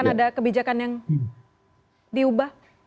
apakah ada kebijakan yang diubah